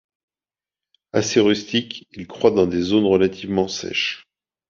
Assez rustique, il croît dans des zones relativement sèches.